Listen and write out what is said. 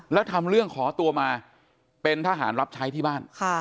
แล้วทำเรื่องขอตัวมาเป็นทหารรับใช้ที่บ้าน